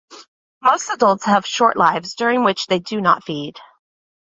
Most adults have short lives during which they do not feed.